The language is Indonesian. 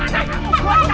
aduh aduh aduh